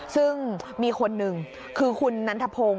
ซึ่งมีคนหนึ่งคือคุณนันทพงศ์